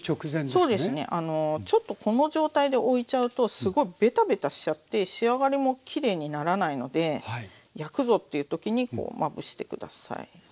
そうですねちょっとこの状態でおいちゃうとすごいベタベタしちゃって仕上がりもきれいにならないので焼くぞっていう時にまぶして下さい。